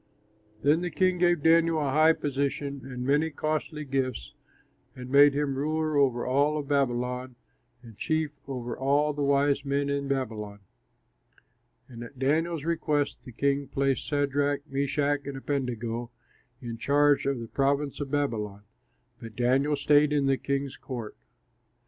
Then the king gave Daniel a high position and many costly gifts, and made him ruler over all of Babylon and chief over all the wise men in Babylon. And at Daniel's request the king placed Shadrach, Meshach, and Abednego in charge of the province of Babylon; but Daniel stayed in the king's court.